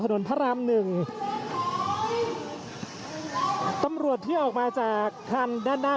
คุณภูริพัฒน์ครับ